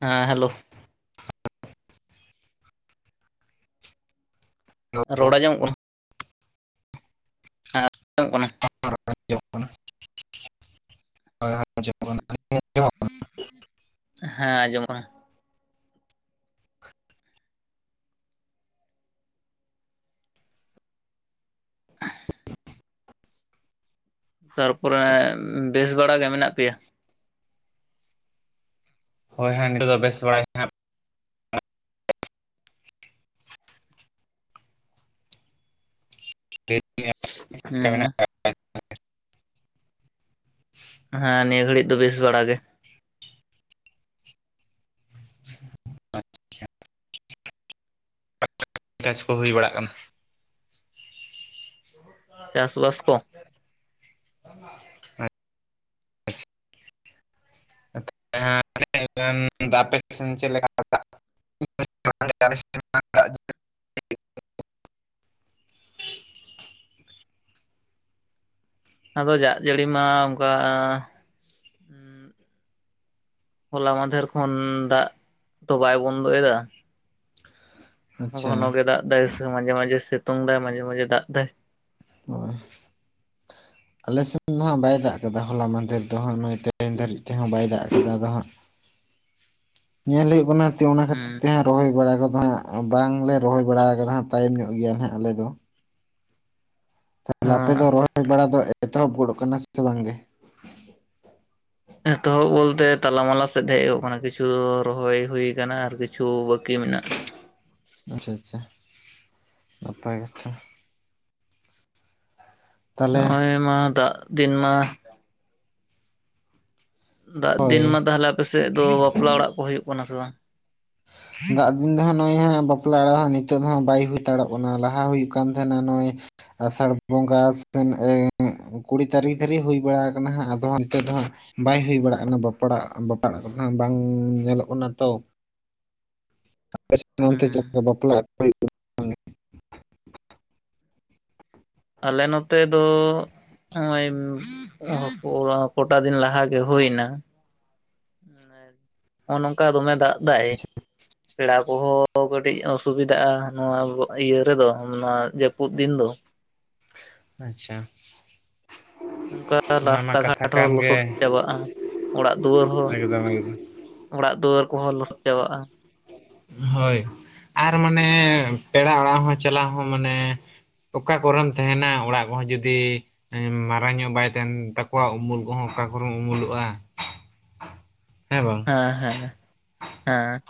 ᱦᱮᱸ ᱦᱮᱞᱳ, ᱨᱚᱲ ᱟᱸᱡᱚᱢᱚᱜ ᱠᱟᱱᱟ? ᱟᱸᱡᱚᱢᱚᱜ ᱠᱟᱱᱟ᱾ [inaudible] ᱠᱟᱱᱟ ᱦᱚᱭ [unintelligible] ᱦᱮᱸ ᱦᱮᱸ ᱟᱸᱡᱚᱢᱚᱜ ᱠᱟᱱᱟ᱾ ᱛᱟᱨᱯᱚᱨᱮ ᱵᱮᱥ ᱵᱟᱲᱟ ᱜᱮ ᱢᱮᱱᱟᱜ ᱯᱮᱭᱟ? ᱦᱳᱭ ᱦᱟᱸᱜ ᱱᱤᱛ ᱫᱚ ᱵᱮᱥ ᱵᱟᱲᱟᱜᱮ᱾ [unintelligible] ᱪᱮᱫᱠᱟ ᱢᱮᱱᱟᱜ ᱦᱮᱸ᱾ ᱦᱮᱸ ᱱᱤᱭᱟᱹ ᱜᱷᱟᱹᱲᱤᱡ ᱫᱚ ᱵᱮᱥ ᱵᱟᱲᱟ ᱜᱮ᱾ ᱪᱟᱥ ᱠᱚ ᱦᱩᱭ ᱵᱟᱲᱟᱜ ᱠᱟᱱᱟ᱾ ᱪᱟᱥ ᱵᱟᱥ ᱠᱚ? [unintelligible] ᱦᱮᱸ [unintelligible] ᱫᱟᱜ ᱟᱯᱮ ᱥᱮᱱ ᱪᱮᱫ ᱞᱮᱠᱟ ᱫᱟᱜ? [unintelligible] ᱫᱟᱜ ᱟᱫᱚ ᱡᱟᱜ ᱡᱟᱹᱲᱤ ᱢᱟ ᱚᱱᱠᱟ ᱦᱚᱞᱟ ᱢᱟᱫᱷᱮᱨ ᱠᱷᱚᱱ ᱫᱟᱜ ᱛᱚ ᱵᱟᱭ ᱵᱚᱱᱫᱚᱭ ᱫᱟ, ᱟᱪᱪᱷᱟ ᱜᱷᱚᱱᱚᱜ ᱜᱮ ᱫᱟᱜ ᱫᱟᱭ ᱢᱟᱡᱷᱮ ᱢᱟᱡᱷᱮ ᱥᱤᱛᱩᱝ ᱮᱫᱟᱭ ᱢᱟᱡᱷᱮ ᱢᱟᱡᱷᱮ ᱫᱟᱜ ᱫᱟᱭ᱾ ᱦᱳᱭ᱾ ᱟᱞᱮᱥᱮᱱ ᱫᱚ ᱦᱟᱸᱜ ᱵᱟᱭ ᱫᱟᱜ ᱠᱟᱫᱟ ᱦᱚᱞᱟ ᱢᱟᱫᱷᱮᱨ ᱫᱚ ᱦᱟᱸᱜ ᱱᱚᱳᱭ ᱛᱮᱦᱮᱧ ᱫᱷᱟᱹᱨᱤᱡ ᱛᱮᱦᱚᱸ ᱵᱟᱭ ᱫᱟᱜ ᱠᱟᱫᱟ, ᱟᱫᱚ ᱦᱟᱸᱜ ᱧᱮᱞ ᱦᱩᱭᱩᱜ ᱠᱟᱱᱟ ᱚᱱᱟ ᱠᱷᱟᱹᱛᱤᱨ ᱦᱩᱸ, ᱛᱮ ᱦᱟᱸᱜ ᱨᱚᱦᱚᱭ ᱵᱟᱲᱟ ᱠᱚᱫᱚ ᱦᱟᱸᱜ ᱵᱟᱝᱞᱮ ᱨᱚᱦᱚᱭ ᱵᱟᱲᱟ ᱠᱟᱫᱟ ᱦᱟᱸᱟᱜ, ᱛᱟᱭᱚᱢ ᱧᱚᱜ ᱜᱮᱭᱟ ᱱᱟᱦᱟᱸᱜ ᱟᱞᱮ ᱫᱚ᱾ ᱛᱟᱦᱚᱞᱮ ᱟᱯᱮ ᱦᱮᱸ ᱫᱚ ᱨᱚᱦᱚᱭ ᱵᱟᱲᱟ ᱫᱚ ᱮᱛᱚᱦᱚᱵ ᱜᱚᱫᱚᱜ ᱠᱟᱱᱟ ᱥᱮ ᱵᱟᱝᱜᱮ? ᱮᱛᱚᱦᱚᱵ ᱵᱚᱞᱛᱮ ᱛᱟᱞᱟ ᱢᱟᱞᱟ ᱥᱮᱫ ᱦᱮᱡ ᱠᱟᱱᱟ ᱠᱤᱪᱷᱩ ᱨᱚᱦᱚᱭ ᱦᱩᱭ ᱠᱟᱱᱟ, ᱟᱨ ᱠᱤᱪᱷᱩ ᱵᱟᱹᱠᱤ ᱢᱮᱱᱟᱜᱼᱟ᱾ ᱟᱪᱪᱷᱟ ᱟᱪᱪᱷᱟ ᱱᱟᱯᱟᱭ ᱠᱟᱛᱷᱟ᱾ ᱛᱟᱦᱚᱞᱮ ᱱᱚᱜᱼᱚᱭ ᱢᱟ ᱫᱟᱜ ᱫᱤᱱ ᱢᱟ ᱫᱟᱜ ᱫᱤᱱ ᱦᱳᱭ ᱢᱟ ᱛᱟᱦᱚᱞᱮ ᱟᱯᱮᱥᱮᱫ ᱫᱚ ᱵᱟᱯᱞᱟ ᱚᱲᱟᱜ ᱠᱚ ᱦᱩᱭᱩᱜ ᱠᱟᱱᱟ ᱥᱮ ᱵᱟᱝ? ᱫᱟᱜ ᱫᱤᱱ ᱫᱚ ᱦᱟᱸᱜ ᱱᱚᱜᱼᱚᱭ ᱦᱟᱸᱜ ᱵᱟᱯᱞᱟ ᱚᱲᱟᱜ ᱦᱚᱸ ᱱᱤᱛᱚᱜ ᱦᱟᱜ ᱵᱟᱭ ᱦᱩᱭᱛᱟᱲᱚᱜ ᱠᱟᱱᱟ ᱞᱟᱦᱟ ᱦᱩᱭᱩᱜ ᱠᱟᱱ ᱛᱟᱦᱮᱸᱱᱟ ᱱᱚᱜᱼᱚᱭ ᱟᱥᱟᱲ ᱵᱚᱸᱜᱟ ᱥᱮᱱ ᱮᱸ ᱠᱩᱲᱤ ᱛᱟᱹᱨᱤᱠᱷ ᱫᱷᱟᱵᱤᱡ ᱦᱩᱭ ᱵᱟᱲᱟ ᱠᱟᱱᱟ ᱦᱟᱸᱜ ᱟᱫᱚ ᱦᱟᱱᱛᱮ ᱫᱚ ᱦᱟᱸᱜ ᱵᱟᱭ ᱦᱩᱭ ᱵᱟᱲᱟᱜ ᱠᱟᱱᱟ ᱵᱟᱯᱟᱲᱟᱜ ᱵᱟᱯᱞᱟᱜ ᱠᱚ ᱦᱟᱜ ᱵᱟᱝ ᱧᱮᱞᱚᱜ ᱠᱟᱱᱟ ᱛᱚ, ᱟᱯᱮ ᱥᱮᱱ ᱦᱩᱸ ᱚᱱᱛᱮ ᱪᱮᱫᱠᱟ ᱵᱟᱯᱞᱟ [unintelligible] ᱟᱞᱮ ᱱᱚᱛᱮ ᱫᱚ ᱱᱚᱜᱼᱚᱭ ᱠᱚ ᱠᱚᱴᱟ ᱫᱤᱱ ᱞᱟᱦᱟ ᱜᱮ ᱦᱩᱭᱱᱟ᱾ ᱱᱚᱜᱼᱚ ᱱᱚᱝᱠᱟ ᱫᱚᱢᱮ ᱫᱟᱜ ᱫᱟᱭ, ᱠᱟᱱᱟ ᱯᱮᱲᱟ ᱠᱚᱦᱚᱸ ᱠᱟᱹᱴᱤᱡ ᱚᱥᱩᱵᱤᱫᱟᱜᱼᱟ ᱱᱚᱣᱟ ᱤᱭᱟᱹ ᱨᱮᱫᱚ ᱱᱚᱣᱟ ᱡᱟᱹᱯᱩᱫ ᱫᱤᱱ ᱫᱚ᱾ ᱟᱪᱪᱷᱟ᱾ ᱚᱝᱠᱟ ᱚᱱᱟ ᱢᱟ ᱨᱟᱥᱛᱟ ᱠᱟᱛᱷᱟ ᱜᱷᱟᱴ ᱠᱟᱱ ᱦᱚᱸ ᱜᱮ ᱞᱚᱥᱚᱫ ᱪᱟᱵᱟᱜᱼᱟ, ᱚᱲᱟᱜ ᱫᱩᱣᱟᱹᱨ ᱦᱚᱸ ᱮᱠᱫᱚᱢ ᱮᱠᱫᱚᱢ ᱚᱲᱟᱜ ᱫᱩᱣᱟᱹᱨ ᱠᱚᱦᱚᱸ ᱞᱚᱥᱚᱫ ᱪᱟᱵᱟᱜᱼᱟ᱾ ᱦᱳᱭ ᱟᱨ ᱢᱟᱱᱮ ᱯᱮᱲᱟ ᱚᱲᱟᱜ ᱦᱚᱸ ᱪᱟᱞᱟᱣ ᱦᱚᱸ ᱢᱟᱱᱮ ᱚᱠᱟ ᱠᱚᱨᱮᱢ ᱛᱟᱦᱮᱸᱱᱟ ᱚᱲᱟᱜ ᱠᱚᱦᱚᱸ ᱡᱩᱫᱤ ᱢᱟᱨᱟᱝ ᱧᱚᱜ ᱵᱟᱭ ᱛᱟᱦᱮᱸᱱ ᱛᱟᱠᱚᱣᱟ ᱩᱢᱩᱞ ᱠᱚᱦᱚᱸ ᱚᱠᱟ ᱠᱚᱨᱮᱢ ᱩᱢᱩᱞᱚᱜᱼᱟ? ᱦᱮᱸ ᱵᱟᱝ? ᱦᱮᱸ ᱦᱮᱸ ᱦᱮᱸ᱾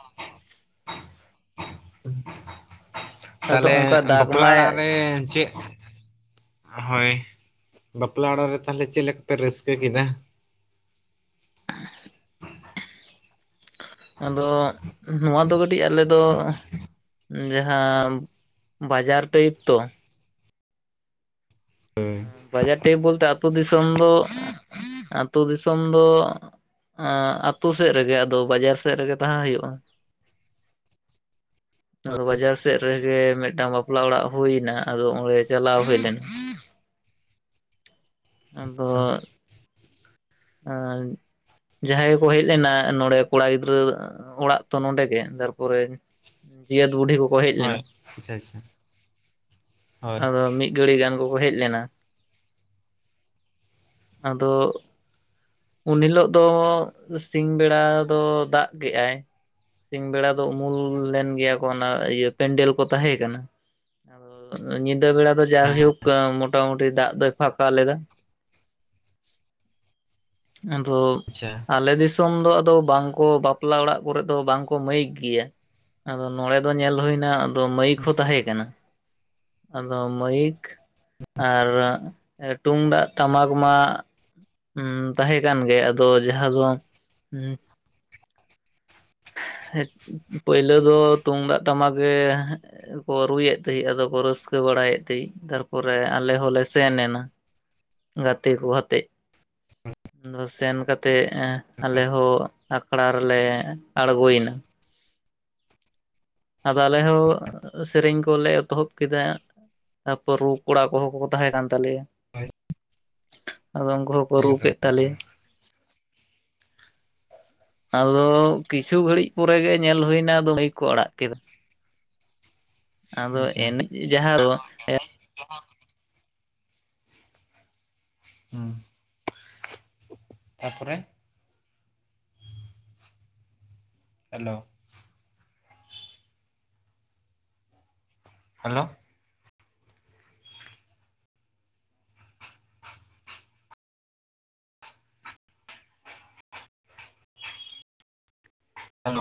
ᱟᱫᱚ ᱛᱟᱦᱞᱮ ᱚᱱᱠᱟ ᱫᱟᱜᱽ ᱵᱟᱯᱞᱟ ᱚᱲᱟᱜ ᱢᱟᱭ ᱨᱮ ᱪᱮᱜ ᱦᱳᱭ, ᱵᱟᱯᱞᱟ ᱚᱲᱟᱜ ᱨᱮ ᱛᱟᱦᱚᱞᱮ ᱪᱮᱫ ᱞᱮᱠᱟ ᱯᱮ ᱨᱟᱹᱥᱠᱟᱹ ᱠᱮᱫᱟ? [unintelligible] ᱟᱫᱚ ᱱᱚᱣᱟ ᱫᱚ ᱠᱟᱹᱴᱤᱡ ᱟᱞᱮ ᱫᱚ ᱡᱟᱦᱟᱸ ᱵᱟᱡᱟᱨ ᱴᱟᱭᱤᱯ ᱛᱚ, ᱮᱸ ᱵᱟᱡᱟᱨ ᱴᱟᱭᱤᱯ ᱵᱚᱞᱛᱮ ᱟᱹᱛᱩ ᱫᱤᱥᱚᱢ ᱫᱚ ᱟᱛᱳ ᱫᱤᱥᱚᱢ ᱫᱚ ᱮᱸᱜ ᱟᱛᱩ ᱥᱮᱫ ᱨᱮᱜᱮ ᱟᱫᱚ ᱵᱟᱡᱟᱨ ᱥᱮᱫ ᱨᱮᱜᱮ ᱛᱟᱦᱮᱸ ᱦᱩᱭᱩᱜᱼᱟ᱾ [unintelligible] ᱟᱫᱚ ᱵᱟᱡᱟᱨ ᱥᱮᱫ ᱨᱮᱜᱮ ᱢᱤᱫᱴᱟᱝ ᱵᱟᱯᱞᱟ ᱚᱲᱟᱜ ᱦᱩᱭ ᱱᱟ, ᱟᱫᱚ ᱚᱸᱰᱮ ᱪᱟᱞᱟᱣ ᱦᱩᱭ ᱞᱮᱱᱟ᱾ ᱟᱫᱚ ᱟᱨ ᱡᱟᱦᱟᱸᱭ ᱜᱮᱠᱚ ᱦᱮᱡ ᱞᱮᱱᱟ ᱱᱚᱰᱮ ᱠᱚᱲᱟ ᱜᱤᱫᱽᱨᱟᱹ ᱚᱲᱟᱜ ᱛᱚ ᱱᱚᱰᱮ ᱜᱮ ᱛᱟᱨᱯᱚᱨᱮ ᱡᱤᱭᱟᱹᱛ ᱵᱩᱰᱷᱤ ᱠᱚᱠᱚ ᱦᱮᱡ ᱦᱳᱭ ᱞᱮᱱᱟ ᱟᱪᱪᱷᱟ ᱟᱪᱪᱷᱟ ᱦᱳᱭ ᱟᱫᱚ ᱢᱤᱫ ᱜᱟᱹᱲᱤ ᱜᱟᱱ ᱠᱚᱠᱚ ᱦᱮᱡ ᱞᱮᱱᱟ ᱟᱫᱚ ᱟᱫᱚ ᱩᱱ ᱦᱤᱞᱳᱜ ᱫᱚ ᱥᱤᱧ ᱵᱮᱲᱟ ᱫᱚ ᱫᱟᱜ ᱠᱮᱜ-ᱟᱭ ᱥᱤᱧ ᱵᱮᱲᱟ ᱫᱚ ᱩᱢᱩᱞ ᱞᱮᱱ ᱜᱮᱭᱟ ᱠᱚ ᱚᱱᱟ ᱤᱭᱟᱹ ᱯᱮᱱᱰᱮᱞ ᱠᱚ ᱛᱟᱦᱮᱸ ᱠᱟᱱᱟ ᱟᱫᱚ ᱧᱤᱫᱟᱹ ᱵᱮᱲᱟ ᱫᱚ ᱦᱮᱸ ᱡᱟᱭᱦᱳᱠ ᱢᱚᱴᱟ ᱢᱩᱴᱤ ᱫᱟᱜ ᱫᱚᱭ ᱯᱷᱟᱠᱟ ᱞᱮᱫᱟ ᱟᱫᱚ ᱟᱪᱪᱷᱟ ᱟᱞᱮ ᱫᱤᱥᱚᱢ ᱫᱚ ᱟᱫᱚ ᱵᱟᱝᱠᱚ ᱵᱟᱯᱞᱟ ᱚᱲᱟᱜ ᱠᱚᱨᱮ ᱫᱚ ᱵᱟᱝᱠᱚ ᱢᱟᱹᱭᱤᱠ ᱜᱮᱭᱟ ᱟᱫᱚ ᱱᱚᱰᱮ ᱫᱚ ᱧᱮᱞ ᱦᱩᱭᱱᱟ ᱟᱫᱚ ᱢᱟᱹᱭᱤᱠ ᱦᱚᱸ ᱛᱟᱦᱮᱸ ᱠᱟᱱᱟ ᱟᱫᱚ ᱢᱟᱹᱭᱤᱠ ᱟᱨ ᱛᱩᱢᱫᱟᱜ ᱴᱟᱢᱟᱠ ᱢᱟ ᱦᱸ ᱛᱟᱦᱮᱸ ᱠᱟᱱ ᱜᱮᱭᱟ ᱟᱫᱚ ᱡᱟᱦᱟᱸ ᱫᱚ ᱯᱟᱹᱭᱞᱟᱹ ᱫᱚ ᱛᱩᱢᱫᱟᱜ ᱴᱟᱢᱟᱠ ᱜᱮ ᱠᱚ ᱨᱩᱭᱮᱫ ᱛᱟᱦᱮᱸᱜ ᱟᱫᱚ ᱠᱚ ᱨᱟᱹᱥᱠᱟᱹ ᱵᱟᱲᱟᱭᱮᱫ ᱛᱟᱦᱮᱸᱜ ᱛᱟᱨᱯᱚᱨᱮ ᱟᱞᱮ ᱦᱚᱸᱞᱮ ᱥᱮᱱ ᱮᱱᱟ ᱜᱟᱛᱮ ᱠᱚ ᱟᱛᱮᱜ ᱟᱫᱚ ᱥᱮᱱ ᱠᱟᱛᱮᱫ ᱟᱞᱮ ᱦᱚᱸ ᱟᱠᱷᱲᱟ ᱨᱮᱞᱮ ᱟᱬᱜᱚᱭᱮᱱᱟ ᱟᱫᱚ ᱟᱞᱮ ᱦᱚᱸ ᱥᱮᱨᱮᱧ ᱠᱚᱞᱮ ᱮᱛᱚᱦᱚᱵ ᱠᱮᱫᱟ ᱛᱟᱯᱚᱨ ᱨᱩ ᱠᱚᱲᱟ ᱠᱚᱦᱚᱸ ᱠᱚ ᱛᱟᱦᱮᱸ ᱠᱟᱱ ᱛᱟᱞᱮᱭᱟ ᱦᱳᱭ ᱟᱫᱚ ᱩᱱᱠᱩ ᱦᱚᱸ ᱠᱚ ᱨᱩ ᱮᱠᱫᱚᱢ ᱠᱮᱫ ᱮᱠᱫᱚᱢ ᱛᱟᱞᱮᱭᱟ ᱟᱫᱚ ᱠᱤᱪᱷᱩ ᱜᱷᱟᱹᱲᱤᱡ ᱯᱚᱨᱮ ᱜᱮ ᱧᱮᱞ ᱦᱩᱭᱱᱟ ᱟᱫᱚ ᱢᱟᱹᱭᱤᱠ ᱠᱚ ᱟᱲᱟᱜ ᱠᱮᱫᱟ ᱟᱫᱚ ᱟᱪᱪᱷᱟ ᱮᱱᱮᱡ ᱡᱟᱦᱟᱸ ᱮᱸ ᱦᱩᱸ ᱛᱟᱯᱚᱨᱮ ᱦᱮᱞᱳ ᱦᱮᱞᱳ ᱦᱮᱞᱳ